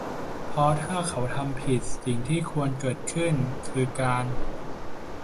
เพราะถ้าเขาทำผิด สิ่งที่ควรเกิดขึ้นคือการ